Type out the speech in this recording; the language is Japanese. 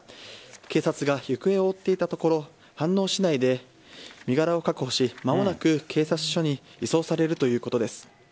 警察が行方を追っていたところ飯能市内で身柄を確保し間もなく警察署に移送されるということです。